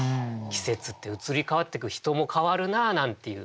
季節って移り変わってく人も変わるなあなんていう。